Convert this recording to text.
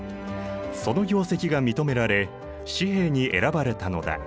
その業績が認められ紙幣に選ばれたのだ。